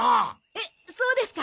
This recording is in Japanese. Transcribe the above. えっそうですか？